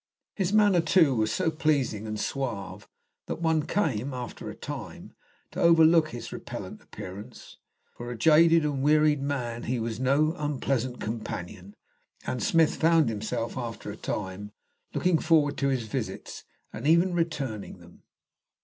His manner, too, was so pleasing and suave that one came, after a time, to overlook his repellent appearance. For a jaded and wearied man he was no unpleasant companion, and Smith found himself, after a time, looking forward to his visits, and even returning them.